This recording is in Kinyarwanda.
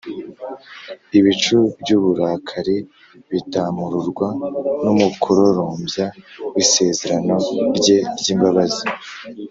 Ibicu by’uburakari bitamururwa n’umukororombya w’isezerano rye ry’imbabazi.